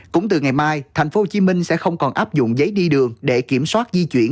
cũng từ ngày mai tp hcm sẽ không còn áp dụng giấy đi đường để kiểm soát di chuyển